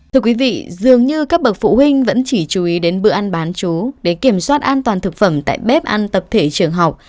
thưa quý vị dường như các bậc phụ huynh vẫn chỉ chú ý đến bữa ăn bán chú để kiểm soát an toàn thực phẩm tại bếp ăn tập thể trường học